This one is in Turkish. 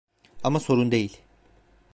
Ama sorun değil.